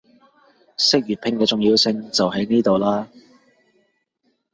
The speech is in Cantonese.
識粵拼嘅重要性就喺呢度喇